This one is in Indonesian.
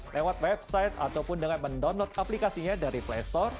lewat website ataupun dengan mendownload aplikasinya dari play store